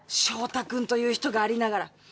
翔太君という人がありながら。